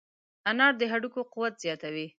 انار د هډوکو قوت زیاتوي.